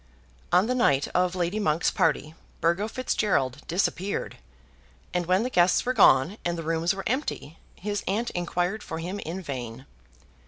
On the night of Lady Monk's party, Burgo Fitzgerald disappeared; and when the guests were gone and the rooms were empty, his aunt inquired for him in vain.